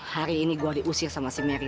hari ini gue diusir sama si mary